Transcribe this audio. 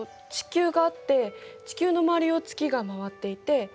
地球があって地球の周りを月が回っていて。